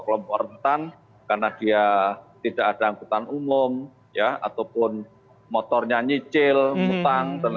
kelompok rentan karena dia tidak ada angkutan umum ya ataupun motornya nyicil mutang